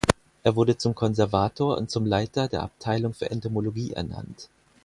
Er wurde zum Konservator und zum Leiter der Abteilung für Entomologie ernannt.